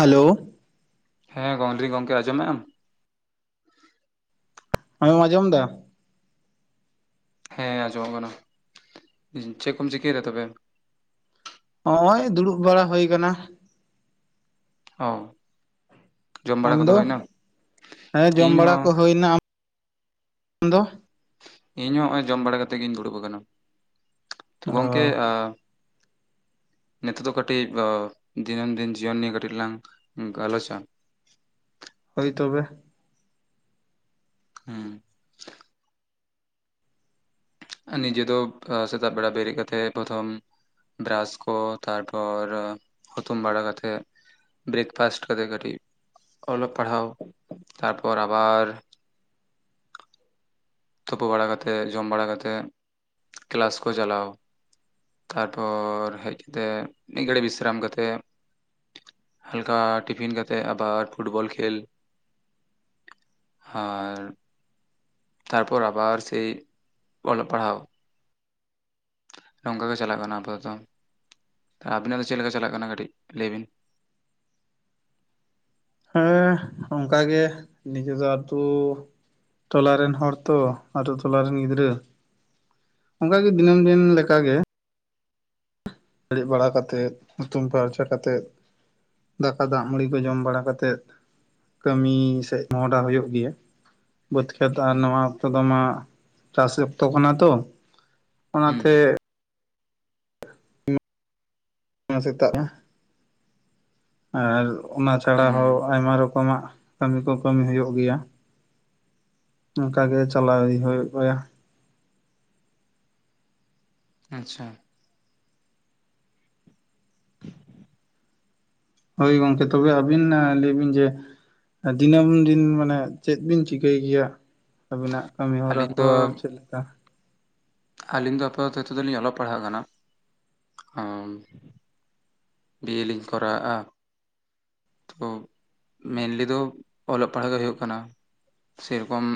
Hello ᱦᱮᱸ ᱜᱚᱝᱨᱤ ᱜᱚᱢᱠᱮ ᱟᱸᱡᱚᱢ ᱮᱜᱼᱟᱢ? ᱟᱢᱮᱢ ᱟᱸᱡᱚᱢ ᱫᱟ? ᱦᱮᱸ ᱟᱸᱡᱚᱢᱚᱜ ᱠᱟᱱᱟ᱾ ᱪᱮᱫ ᱠᱚᱢ ᱪᱤᱠᱟᱹᱭᱮᱫᱟ ᱛᱚᱵᱮ? ᱦᱚᱜᱼᱚᱭ ᱫᱩᱲᱩᱵ ᱵᱟᱲᱟ ᱦᱩᱭ ᱟᱠᱟᱱᱟ᱾ ᱦᱚᱸ ᱟᱢᱫᱚ? ᱦᱮᱸ ᱡᱚᱢ ᱵᱟᱲᱟ ᱤᱧᱦᱚᱸ ᱠᱚ ᱦᱩᱭᱱᱟ ᱟᱢ ᱫᱚ? ᱤᱧ ᱦᱚᱸ ᱦᱚᱜᱼᱚᱭ ᱡᱚᱢ ᱵᱟᱲᱟ ᱠᱟᱛᱮᱜ ᱜᱤᱧ ᱫᱩᱲᱩᱵ ᱟᱠᱟᱱᱟ᱾ ᱛᱚ ᱚ ᱜᱚᱝᱠᱮ ᱱᱤᱛᱚᱜ ᱫᱚ ᱠᱟᱹᱴᱤᱡ ᱫᱤᱱᱚᱱ ᱫᱤᱱ ᱡᱤᱭᱚᱱ ᱱᱤᱭᱮ ᱠᱟᱹᱴᱤᱡ ᱞᱟᱝ ᱜᱟᱞᱚᱪᱟ᱾ ᱦᱳᱭ ᱛᱚᱵᱮ᱾ ᱦᱮᱸ᱾ ᱱᱤᱡᱮ ᱫᱚ ᱥᱮᱛᱟᱜ ᱵᱮᱲᱟ ᱵᱮᱨᱮᱫ ᱠᱟᱛᱮᱫ ᱯᱨᱚᱛᱷᱚᱢ ᱵᱨᱟᱥ ᱠᱚ ᱛᱟᱨᱯᱚᱨ ᱦᱩᱛᱩᱢ ᱵᱟᱲᱟ ᱠᱟᱛᱮᱜ ᱵᱨᱮᱠᱯᱷᱟᱥᱴ ᱠᱚᱛᱮᱜ ᱠᱟᱹᱴᱤᱡᱽ ᱚᱞᱚᱜ ᱯᱟᱲᱦᱟᱣ ᱛᱟᱨᱯᱚᱨ ᱟᱵᱟᱨ ᱛᱳᱯᱩ ᱵᱟᱲᱟ ᱠᱟᱛᱮᱫ ᱡᱚᱢ ᱵᱟᱲᱟ ᱠᱟᱛᱮᱫ ᱠᱞᱟᱥ ᱠᱚ ᱪᱟᱞᱟᱣ᱾ ᱛᱟᱨᱯᱚᱨ ᱦᱮᱡ ᱠᱟᱛᱮᱜ ᱢᱤᱫ ᱜᱷᱟᱹᱲᱤᱡ ᱵᱤᱥᱨᱟᱢ ᱠᱟᱛᱮᱫ ᱦᱟᱞᱠᱟ ᱴᱤᱯᱷᱤᱱ ᱠᱟᱛᱮᱫ ᱟᱵᱟᱨ ᱯᱷᱩᱴᱵᱚᱞ ᱠᱷᱮᱞ᱾ ᱟᱨ ᱛᱟᱨᱯᱚᱨ ᱟᱵᱟᱨ ᱥᱮᱭ ᱚᱞᱚᱜ ᱯᱟᱲᱦᱟᱣ᱾ ᱱᱚᱝᱠᱟ ᱜᱮ ᱪᱟᱞᱟᱜ ᱠᱟᱱᱟ ᱟᱯᱟᱛᱚᱛᱚ᱾ ᱟᱹᱵᱤᱱᱟᱜ ᱫᱚ ᱪᱮᱫ ᱞᱮᱠᱟ ᱪᱟᱞᱟᱜ ᱠᱟᱱᱟ ᱠᱟᱹᱴᱤᱡ ᱞᱟᱹᱭ ᱵᱤᱱ? ᱦᱮᱸ ᱚᱱᱠᱟ ᱜᱮ ᱱᱤᱡᱮ ᱫᱚ ᱟᱛᱩ ᱴᱚᱞᱟ ᱨᱮᱱ ᱦᱚᱲ ᱛᱚ ᱟᱛᱳ ᱴᱚᱞᱟ ᱨᱮᱱ ᱜᱤᱫᱽᱨᱟᱹ ᱚᱱᱠᱟ ᱜᱮ ᱫᱤᱱᱟᱹᱢ ᱫᱤᱱ ᱞᱮᱠᱟᱜᱮ ᱵᱮᱲᱮᱜ ᱵᱟᱲᱟ ᱠᱟᱛᱮᱫ ᱦᱩᱛᱩᱢ ᱯᱷᱟᱨᱪᱟ ᱠᱟᱛᱮᱫ ᱫᱟᱠᱟ ᱫᱟᱜ ᱢᱟᱹᱲᱤ ᱠᱚ ᱡᱚᱢ ᱵᱟᱲᱟ ᱠᱟᱛᱮᱫ ᱠᱟᱹᱢᱤ ᱥᱮᱫ ᱢᱚᱸᱦᱰᱟ ᱦᱩᱭᱩᱜ ᱜᱮᱭᱟ᱾ ᱵᱟᱹᱫᱽ ᱠᱷᱮᱛ ᱟᱨ ᱱᱚᱣᱟ ᱚᱠᱛᱚ ᱫᱚ ᱢᱟ ᱪᱟᱥ ᱚᱠᱛᱚ ᱠᱟᱱᱟ ᱛᱚ ᱦᱩᱸ ᱚᱱᱟᱛᱮ ᱚᱱᱟ ᱥᱮᱛᱟᱜ ᱢᱟᱼᱼ ᱟᱨ ᱚᱱᱟ ᱪᱷᱟᱲᱟ ᱦᱚᱸ ᱦᱩᱸ ᱟᱭᱢᱟ ᱨᱚᱠᱚᱢᱟᱜ ᱠᱟᱹᱢᱤ ᱠᱚ ᱠᱟᱹᱢᱤ ᱦᱩᱭᱩᱜ ᱜᱮᱭᱟ ᱚᱱᱠᱟ ᱜᱮ ᱪᱟᱞᱟᱣ ᱤᱫᱤ ᱦᱩᱭᱩᱜᱼᱟ ᱟᱪᱪᱷᱟ ᱦᱳᱭ ᱜᱚᱝᱠᱮ ᱛᱚᱵᱮ ᱟᱹᱵᱤᱱ ᱞᱟᱹᱭ ᱵᱤᱱ ᱡᱮ ᱫᱤᱱᱟᱹᱢ ᱫᱤᱱ ᱢᱟᱱᱮ ᱪᱮᱫ ᱵᱤᱱ ᱪᱤᱠᱟᱹᱭ ᱜᱮᱭᱟ? ᱟᱹᱵᱤᱱᱟᱜ ᱠᱟᱹᱢᱤ ᱦᱚᱨᱟ ᱟᱹᱞᱤᱧ ᱠᱚ ᱫᱚ ᱟᱨ ᱪᱮᱫ ᱞᱮᱠᱟ ᱟᱹᱞᱤᱧ ᱫᱚ ᱟᱯᱟᱛᱚᱛᱚ ᱞᱤᱧ ᱚᱞᱚᱜ ᱯᱟᱲᱦᱟᱜ ᱠᱟᱱᱟ᱾ ᱵᱤᱭᱮ ᱞᱤᱧ ᱠᱚᱨᱟᱣᱟᱜᱼᱟ ᱛᱚ ᱢᱮᱱ ᱫᱚ ᱚᱞᱚᱜ ᱯᱟᱲᱦᱟᱜ ᱜᱮ ᱦᱩᱭᱩᱜ ᱠᱟᱱᱟ᱾ ᱥᱮᱨᱚᱠᱚᱢ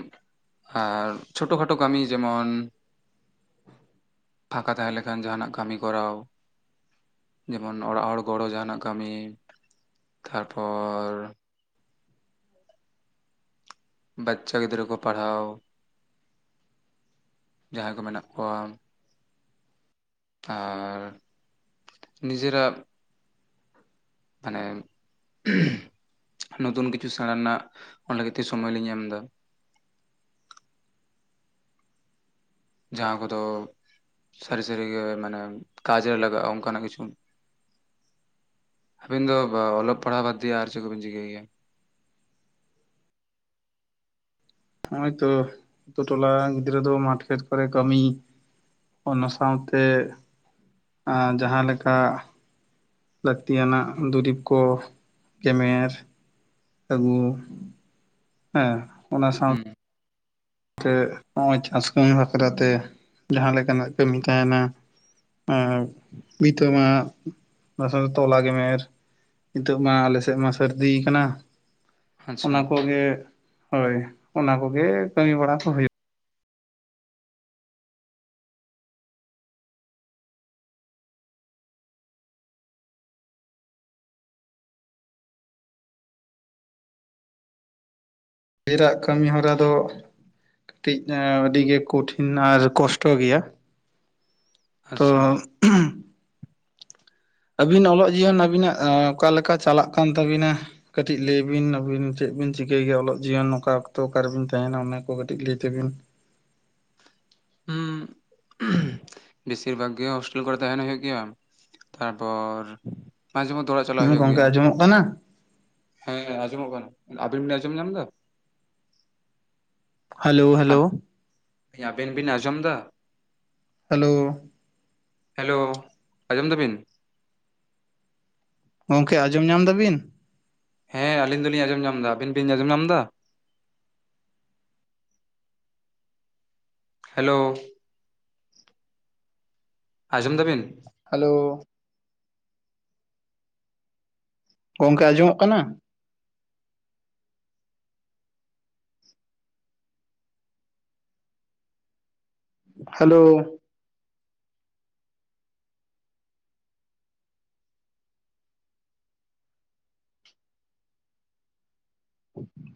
ᱟᱨ ᱪᱷᱳᱴᱳ ᱠᱷᱟᱴᱳ ᱠᱟᱹᱢᱤ ᱡᱮᱢᱚᱱ ᱯᱷᱟᱸᱠᱟ ᱛᱟᱦᱮᱸ ᱞᱮᱠᱷᱟᱱ ᱡᱟᱦᱟᱱᱟᱜ ᱠᱟᱹᱢᱤ ᱠᱚᱨᱟᱣ ᱡᱮᱢᱚᱱ ᱚᱲᱟᱜ ᱦᱚᱲ ᱜᱚᱲᱚ ᱡᱟᱦᱟᱱᱟᱜ ᱠᱟᱹᱢᱤ ᱛᱟᱨᱯᱚᱨ ᱵᱟᱪᱪᱟ ᱜᱤᱫᱽᱨᱟᱹ ᱠᱚ ᱯᱟᱲᱦᱟᱣ ᱡᱟᱦᱟᱸᱭ ᱠᱚ ᱢᱮᱱᱟᱜ ᱠᱚᱣᱟ ᱟᱨ ᱱᱤᱡᱮᱨᱟᱜ ᱢᱟᱱᱮ ᱱᱚᱛᱩᱱ ᱠᱤᱪᱷᱩ ᱥᱮᱬᱟ ᱨᱮᱱᱟᱜ ᱚᱱᱟ ᱞᱟᱹᱜᱤᱫ ᱛᱮ ᱥᱚᱢᱚᱭ ᱞᱤᱧ ᱮᱢᱫᱟ ᱡᱟᱦᱟᱸ ᱠᱚᱫᱚ ᱥᱟᱹᱨᱤ ᱥᱟᱹᱨᱤᱜᱮ ᱢᱟᱱᱮ ᱠᱟᱡᱽ ᱨᱮ ᱞᱟᱜᱟᱜᱼᱟ ᱚᱱᱠᱟᱱᱟᱜ ᱠᱤᱪᱷᱩ ᱟᱵᱤᱱ ᱫᱚ ᱚᱞᱚᱜ ᱯᱟᱲᱦᱟᱣ ᱵᱟᱫᱽᱫᱤᱭᱮ ᱟᱨ ᱪᱮᱫ ᱠᱚᱵᱤᱱ ᱪᱤᱠᱟᱹᱭ ᱜᱮᱭᱟ ᱱᱚᱜᱼᱚᱭ ᱛᱚ ᱟᱛᱳᱴᱚᱞᱟ ᱜᱤᱫᱽᱨᱟᱹ ᱫᱚ ᱢᱟᱴᱯᱷᱮᱴ ᱠᱚᱨᱮ ᱠᱟᱹᱢᱤ ᱚᱱᱟ ᱥᱟᱶᱛᱮ ᱡᱟᱦᱟᱸᱞᱮᱠᱟ ᱞᱟᱹᱠᱛᱤᱭᱟᱱᱟᱜ ᱫᱩᱨᱤᱵᱽ ᱠᱚ ᱜᱮᱢᱮᱨ ᱟᱹᱜᱩ ᱦᱮᱸ ᱚᱱᱟ ᱥᱟᱶᱛᱮ ᱦᱩᱸ ᱱᱚᱼᱜᱚᱭ ᱪᱟᱥ ᱠᱟᱹᱢᱤ ᱵᱟᱠᱷᱨᱟᱛᱮ ᱡᱟᱦᱟᱸ ᱞᱮᱠᱟᱱᱟᱜ ᱠᱟᱹᱢᱤ ᱛᱟᱦᱮᱱᱟ ᱵᱷᱤᱛᱟ ᱢᱟᱜ ᱚᱱᱟ ᱥᱟᱶᱛᱮ ᱛᱚᱞᱟ ᱜᱮᱢᱮᱨ ᱱᱤᱛᱚᱜ ᱢᱟ ᱟᱞᱮ ᱥᱮᱫ ᱢᱟ ᱥᱟᱹᱨᱫᱤ ᱠᱟᱱᱟ ᱟᱪᱪᱷᱟ ᱚᱱᱟ ᱠᱚᱜᱮ ᱦᱳᱭ ᱚᱱᱟ ᱠᱚᱜᱮ ᱠᱟᱹᱢᱤ ᱵᱟᱲᱟ ᱠᱚ ᱦᱩᱭᱩᱜᱼᱟ ᱰᱮᱨᱟᱜ ᱠᱟᱹᱢᱤ ᱦᱚᱨᱟ ᱫᱚ ᱠᱟᱹᱴᱤᱡ ᱟᱹᱰᱤ ᱜᱮ ᱠᱚᱴᱷᱤᱱ ᱟᱨ ᱠᱚᱥᱴᱚ ᱜᱮᱭᱟ ᱛᱚ ᱟᱪᱪᱷᱟ ᱟᱹᱵᱤᱱ ᱚᱞᱚᱜ ᱡᱤᱭᱚᱱ ᱟᱹᱵᱤᱱᱟᱜ ᱚᱠᱟ ᱞᱮᱠᱟ ᱪᱟᱞᱟᱜ ᱠᱟᱱ ᱛᱟᱹᱵᱤᱱᱟ ᱠᱟᱹᱴᱤᱡ ᱞᱟᱹᱭ ᱵᱤᱱ ᱟᱵᱤᱱ ᱪᱮᱫ ᱵᱤᱱ ᱪᱤᱠᱟᱹᱭ ᱜᱮᱭᱟ ᱚᱞᱚᱜ ᱡᱤᱭᱚᱱ ᱚᱠᱟ ᱚᱠᱛᱚ ᱚᱠᱟᱨᱮᱵᱤᱱ ᱛᱟᱦᱮᱱᱟ ᱚᱱᱟ ᱠᱚ ᱠᱟᱹᱴᱤᱡ ᱞᱟᱹᱭ ᱛᱟᱵᱤᱱ ᱦᱩᱸ ᱵᱮᱥᱤᱨ ᱵᱷᱟᱜᱽ ᱜᱮ ᱦᱳᱥᱴᱮᱞ ᱠᱚᱨᱮ ᱛᱟᱦᱮᱱ ᱦᱩᱭᱩᱜ ᱜᱮᱭᱟ ᱛᱟᱨᱯᱚᱨ ᱢᱟᱡᱷᱮ ᱢᱚᱫᱫᱷᱮ ᱚᱲᱟᱜ ᱪᱟᱞᱟᱜ ᱦᱩᱸ ᱦᱩᱭᱩᱜ ᱜᱚᱝᱠᱮ ᱜᱮᱭᱟ ᱟᱸᱡᱚᱢᱚᱜ ᱠᱟᱱᱟ ᱦᱮᱸ ᱟᱸᱡᱚᱢᱚᱜ ᱠᱟᱱᱟ ᱟᱵᱤᱱ ᱟᱸᱡᱚᱢ ᱧᱟᱢ ᱮᱫᱟ ᱦᱮᱞᱳ ᱦᱮᱞᱳ ᱟᱵᱮᱱ ᱵᱤᱱ ᱟᱸᱡᱚᱢ ᱮᱫᱟ ᱦᱮᱞᱳ ᱦᱮᱞᱳ ᱟᱡᱚᱢ ᱫᱟᱵᱤᱱ ᱜᱚᱢᱠᱮ ᱟᱸᱡᱚᱢ ᱧᱟᱢ ᱮᱫᱟ ᱵᱤᱱ ᱦᱮᱸ ᱟᱞᱤᱧ ᱫᱚᱞᱤᱧ ᱟᱸᱡᱚᱢ ᱧᱟᱢ ᱮᱫᱟ ᱟᱵᱤᱱ ᱵᱤᱱ ᱟᱸᱡᱚᱢ ᱮᱫᱟ ᱦᱮᱞᱳ ᱟᱡᱚᱢ ᱫᱟᱵᱤᱱ ᱦᱮᱞᱳ ᱜᱚᱝᱠᱮ ᱟᱸᱡᱚᱢᱚᱜ ᱠᱟᱱᱟ ᱦᱮᱞᱳ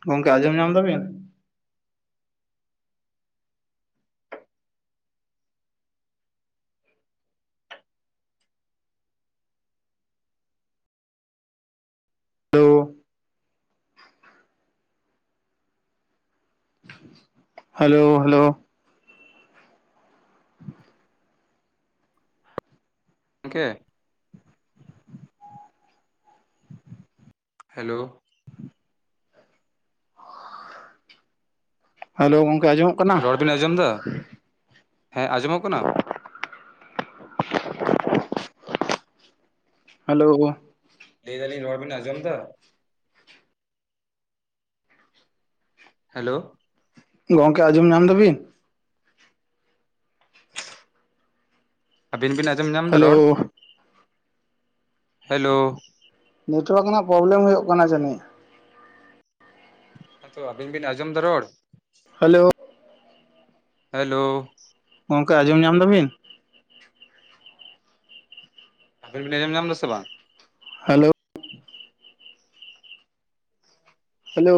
ᱜᱚᱢᱠᱮ ᱟᱸᱡᱚᱢ ᱧᱟᱢ ᱫᱟᱵᱤᱱ hello hello hello ᱜᱠᱮ [inaudible] hello hello ᱜᱚᱝᱠᱮ ᱟᱡᱚᱢ ᱨᱚᱲ ᱵᱤᱱ ᱟᱸᱡᱚᱢ ᱮᱫᱟ ᱦᱮᱸ ᱟᱸᱡᱚᱢᱚᱜ ᱠᱟᱱᱟ ᱦᱮᱞᱳ ᱞᱟᱹᱭ ᱮᱫᱟᱞᱤᱧ ᱨᱚᱲ ᱵᱤᱱ ᱟᱸᱡᱚᱢᱫᱟ ᱦᱮᱞᱳ ᱜᱚᱢᱠᱮ ᱟᱸᱡᱚᱢ ᱧᱟᱢ ᱫᱟ ᱵᱤᱱ ᱟᱵᱤᱱ ᱵᱤᱱ ᱟᱸᱡᱚᱢ ᱧᱟᱢ ᱮᱫᱟ ᱦᱮᱞᱳ ᱨᱚᱲ ᱦᱮᱞᱳ ᱱᱮᱴᱣᱟᱨᱠ ᱨᱮᱱᱟᱜ ᱯᱨᱚᱵᱞᱮᱢ ᱦᱩᱭᱩᱜ ᱠᱟᱱᱟ ᱡᱟᱹᱱᱤᱡ ᱦᱮᱸ ᱛᱳ ᱟᱵᱤᱱ ᱵᱤᱱ ᱟᱸᱡᱚᱢᱫᱟ ᱨᱚᱲ ᱦᱮᱞᱳ ᱦᱮᱞᱳ ᱜᱚᱝᱠᱮ ᱟᱸᱡᱚᱢ ᱧᱟᱢ ᱮᱫᱟ ᱵᱤᱱ ᱟᱵᱮᱱ ᱵᱤᱱ ᱟᱸᱡᱚᱢ ᱧᱟᱢ ᱮᱫᱟ ᱥᱮ ᱵᱟᱝ ᱦᱟᱞᱳ ᱦᱮᱞᱳᱻ